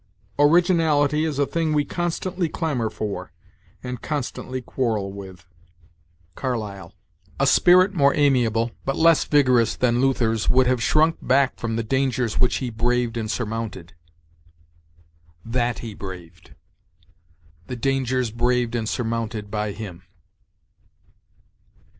"'Originality is a thing we constantly clamor for, and constantly quarrel with.' Carlyle. "'A spirit more amiable, but less vigorous, than Luther's would have shrunk back from the dangers which he braved and surmounted': 'that he braved'; 'the dangers braved and surmounted by him.'